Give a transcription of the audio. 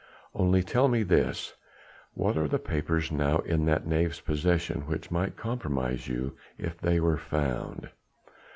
Only tell me this, what are the papers now in that knave's possession which might compromise you if they were found?"